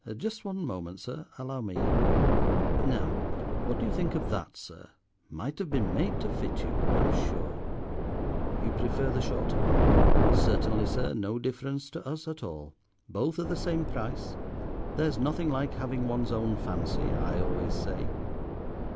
Just one moment, sir, allow me. Now, what do you think of that, sir? might have been made to fit you, I'm sure. You prefer the shorter one. Certainly, sir, no difference to us at all. Both are the same price. There's nothing like having one's own fancy, I always say.